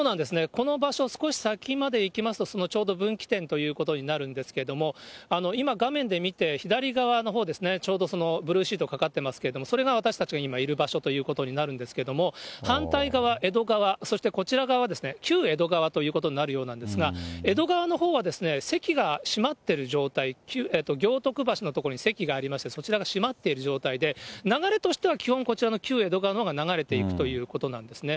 この場所、少し先まで行きますと、そのちょうど分岐点ということになるんですけれども、今、画面で見て左側のほう、ちょうどそのブルーシートがかかってますけれども、それが私たちがいる場所ということになるんですけれども、反対側、江戸川、そしてこちら側、旧江戸川ということになるようなんですが、江戸川のほうは、せきが閉まっている状態、行徳橋の所にせきがありまして、そちらが閉まっている状態で、流れとしては基本、こちらの旧江戸川のほうが流れているということなんですね。